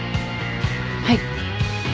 はい。